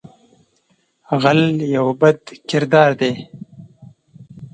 غل یو بد کردار دی